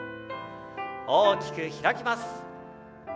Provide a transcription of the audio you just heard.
大きく開きます。